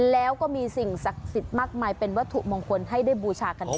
แล้วก็มีสิ่งศักดิ์สิทธิ์มากมายเป็นวัตถุมงคลให้ได้บูชากันไป